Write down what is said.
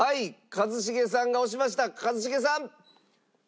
一茂さん。